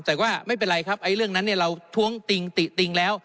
แต่ว่าไม่เป็นไรครับเรื่องนั้นเนี่ยเราทวงติ่งแล้ว